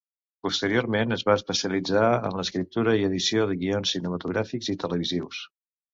Posteriorment, es va especialitzar en l'escriptura i edició de guions cinematogràfics i televisius.